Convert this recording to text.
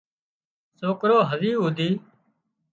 اِ سوڪرو هزي هوڌي